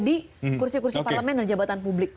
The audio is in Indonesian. di kursi kursi parlemen dan jabatan publik